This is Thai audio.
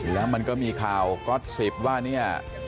แล้วมันก็มีข่าวก๊อต๑๐ว่าเนี่ย